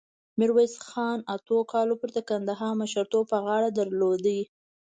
میرویس خان اتو کالو پورې د کندهار مشرتوب په غاړه درلود.